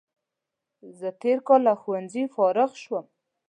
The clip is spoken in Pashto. زه تېر کال له ښوونځي فارغ شوم